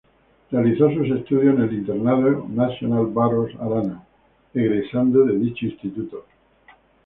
Realizó sus estudios en el Internado Nacional Barros Arana, egresando de dicho instituto.